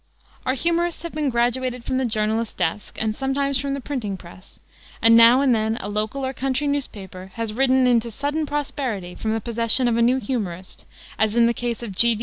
Our humorists have been graduated from the journalist's desk and sometimes from the printing press, and now and then a local or country newspaper has risen into sudden prosperity from the possession of a new humorist, as in the case of G.